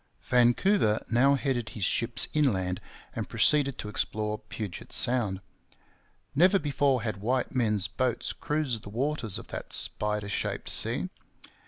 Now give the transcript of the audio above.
Vancouver now headed his ships inland and proceeded to explore Puget Sound. Never before had white men's boats cruised the waters of that spider shaped sea.